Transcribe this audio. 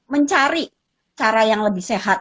mencari cara yang lebih sehat